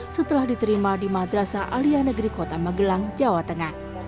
setelah diterima di madrasah alia negeri kota magelang jawa tengah